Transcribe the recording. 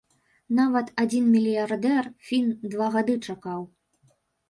Нават адзін мільярдэр, фін, два гады чакаў.